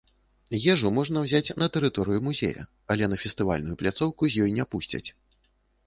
Ежу можна ўзяць на тэрыторыю музея, але на фестывальную пляцоўку з ёй не пусцяць.